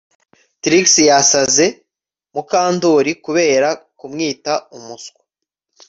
Trix yasaze Mukandoli kubera kumwita umuswa